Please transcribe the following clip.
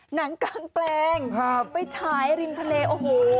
หนังกลางแปลงไปฉายริมทะเลโอ้โห